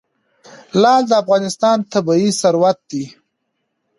لعل د افغانستان طبعي ثروت دی.